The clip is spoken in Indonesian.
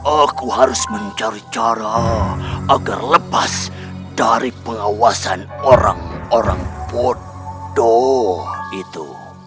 aku harus mencari cara agar lepas dari pengawasan orang orang bodoh itu